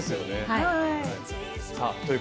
はい。